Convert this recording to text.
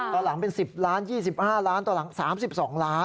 ตอนหลังเป็น๑๐ล้าน๒๕ล้านตอนหลัง๓๒ล้าน